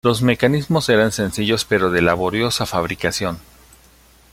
Los mecanismos eran sencillos pero de laboriosa fabricación.